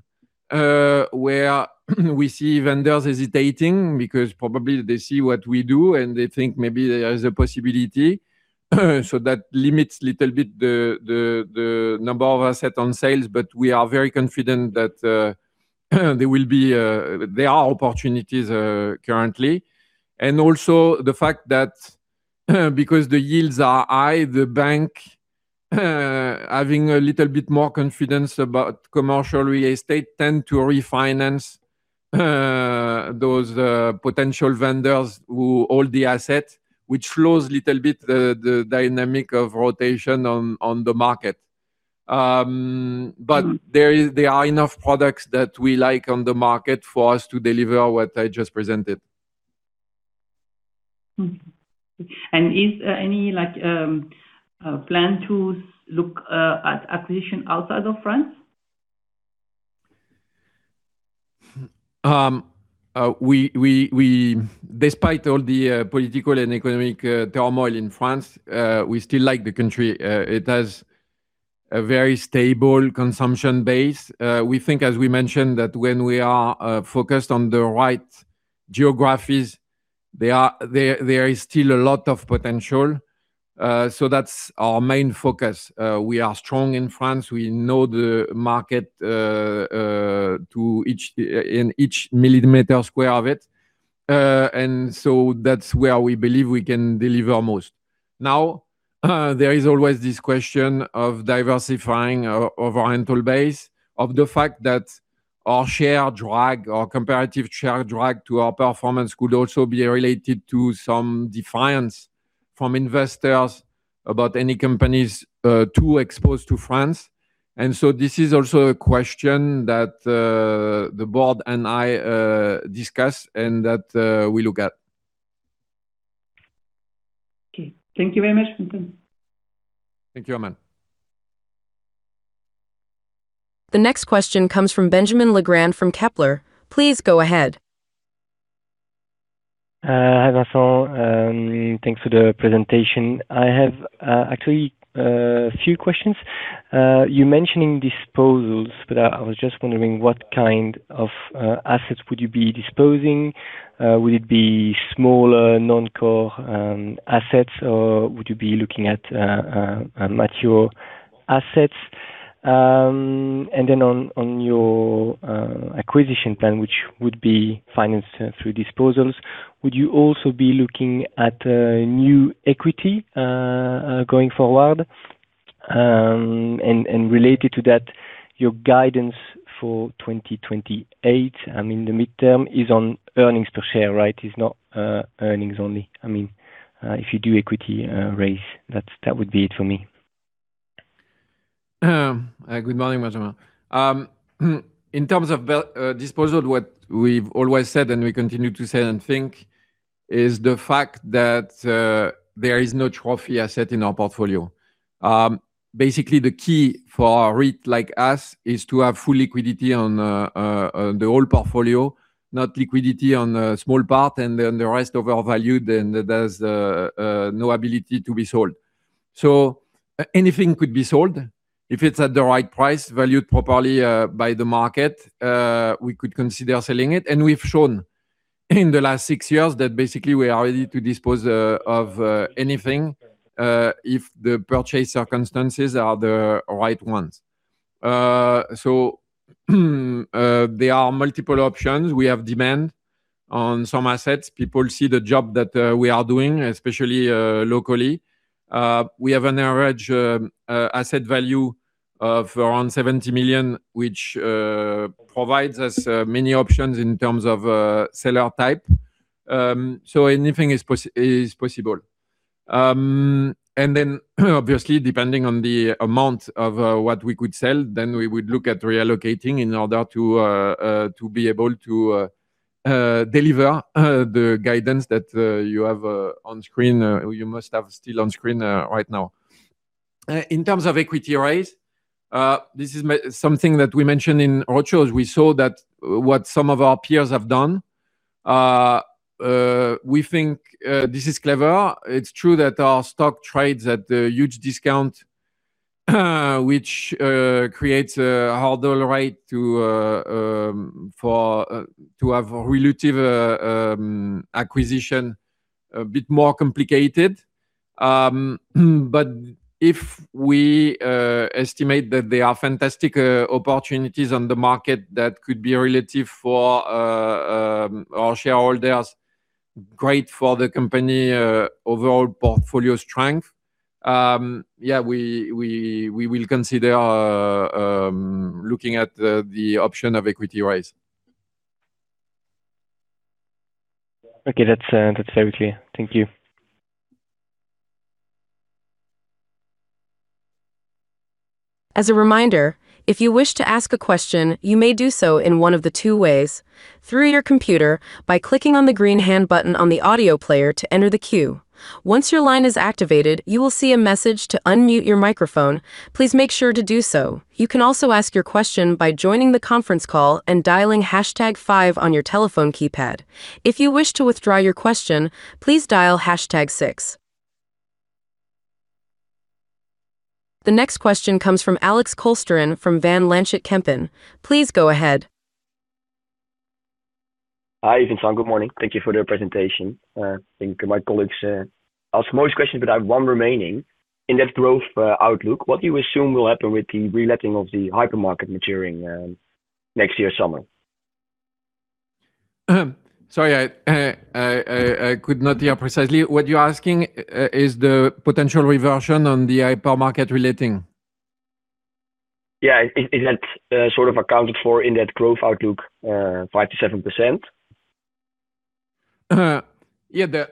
where we see vendors hesitating because probably they see what we do, and they think maybe there is a possibility. So that limits little bit the number of assets on sale, but we are very confident that there will be... there are opportunities currently. And also the fact that, because the yields are high, the bank having a little bit more confidence about commercial real estate, tend to refinance those potential vendors who hold the asset, which slows little bit the dynamic of rotation on the market. But there are enough products that we like on the market for us to deliver what I just presented..... And is any, like, plan to look at acquisition outside of France? Despite all the political and economic turmoil in France, we still like the country. It has a very stable consumption base. We think, as we mentioned, that when we are focused on the right geographies, there is still a lot of potential. So that's our main focus. We are strong in France. We know the market to each in each millimeter square of it. And so that's where we believe we can deliver most. Now, there is always this question of diversifying our, of our rental base, of the fact that our share drag, our comparative share drag to our performance could also be related to some defiance from investors about any companies too exposed to France. And so this is also a question that, the board and I, discuss and that, we look at. Okay. Thank you very much, Quentin. Thank you, Amal. The next question comes from Benjamin Legrand Kepler. Please go ahead. Hi, Vincent. Thanks for the presentation. I have actually a few questions. You mentioning disposals, but I was just wondering what kind of assets would you be disposing? Would it be smaller, non-core assets, or would you be looking at mature assets? And then on your acquisition plan, which would be financed through disposals, would you also be looking at new equity going forward? And related to that, your guidance for 2028, I mean, the midterm is on earnings per share, right? It's not earnings only. I mean, if you do equity raise, that's that would be it for me. Good morning, Benjamin. In terms of disposal, what we've always said, and we continue to say and think, is the fact that there is no trophy asset in our portfolio. Basically, the key for a REIT like us is to have full liquidity on the whole portfolio, not liquidity on a small part, and then the rest overvalued, and there's no ability to be sold. So anything could be sold. If it's at the right price, valued properly by the market, we could consider selling it. And we've shown in the last six years that basically we are ready to dispose of anything if the purchase circumstances are the right ones. So there are multiple options. We have demand on some assets. People see the job that we are doing, especially locally. We have an average asset value of around 70 million, which provides us many options in terms of seller type. So anything is possible. And then, obviously, depending on the amount of what we could sell, then we would look at reallocating in order to be able to deliver the guidance that you have on screen, you must have still on screen right now. In terms of equity raise, this is something that we mentioned in roadshows. We saw that what some of our peers have done. We think this is clever. It's true that our stock trades at a huge discount, which creates a harder right to for to have relative acquisition a bit more complicated. But if we estimate that there are fantastic opportunities on the market, that could be relative for our shareholders... great for the company overall portfolio strength. Yeah, we will consider looking at the option of equity raise. Okay, that's, that's very clear. Thank you. As a reminder, if you wish to ask a question, you may do so in one of the two ways: through your computer by clicking on the green hand button on the audio player to enter the queue. Once your line is activated, you will see a message to unmute your microphone. Please make sure to do so. You can also ask your question by joining the conference call and dialing hashtag five on your telephone keypad. If you wish to withdraw your question, please dial hashtag six. The next question comes from Alex Kolsteren from Van Lanschot Kempen. Please go ahead. Hi, Vincent. Good morning. Thank you for the presentation. I think my colleagues asked most questions, but I have one remaining. In that growth outlook, what do you assume will happen with the reletting of the hypermarket maturing next year, summer? Sorry, I could not hear precisely. What you're asking is the potential reversion on the hypermarket reletting? Yeah. Is that sort of accounted for in that growth outlook, 5%-7%? Yeah,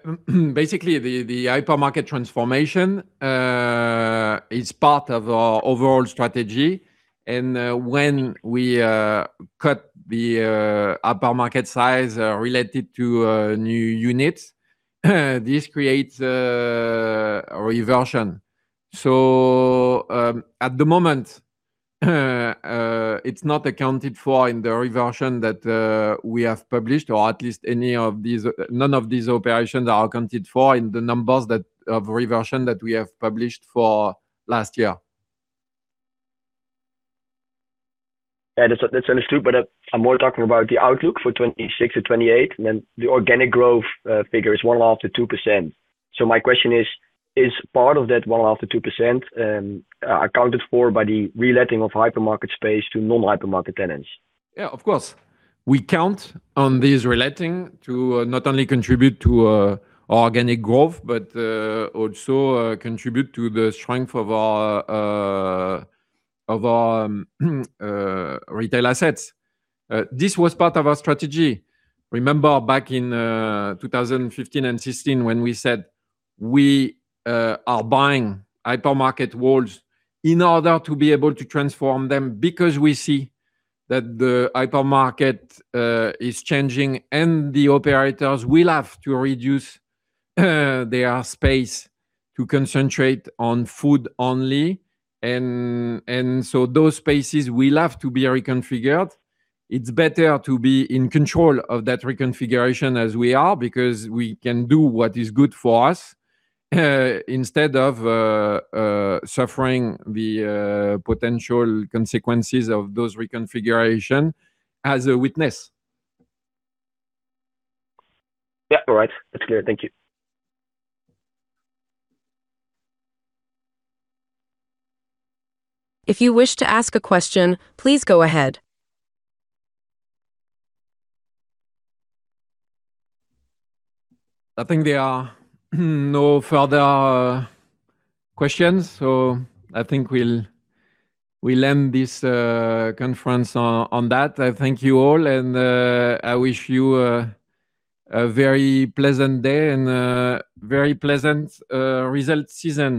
basically, the hypermarket transformation is part of our overall strategy. When we cut the hypermarket size related to new units, this creates a reversion. At the moment, it's not accounted for in the reversion that we have published, or at least none of these operations are accounted for in the numbers of reversion that we have published for last year. Yeah, that's, that's understood, but, I'm more talking about the outlook for 2026-2028, and then the organic growth figure is 1.5%-2%. So my question is, is part of that 1.5%-2% accounted for by the reletting of hypermarket space to normal hypermarket tenants? Yeah, of course. We count on these reletting to not only contribute to organic growth, but also contribute to the strength of our retail assets. This was part of our strategy. Remember back in 2015 and 2016 when we said we are buying hypermarket walls in order to be able to transform them, because we see that the hypermarket is changing and the operators will have to reduce their space to concentrate on food only. And so those spaces will have to be reconfigured. It's better to be in control of that reconfiguration as we are, because we can do what is good for us instead of suffering the potential consequences of those reconfiguration as a witness. Yeah. All right. That's clear. Thank you. If you wish to ask a question, please go ahead. I think there are no further questions, so I think we'll end this conference on that. I thank you all, and I wish you a very pleasant day and a very pleasant result season.